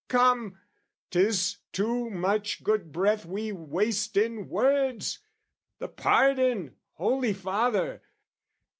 "Come, 'tis too much good breath we waste in words: "The pardon, Holy Father!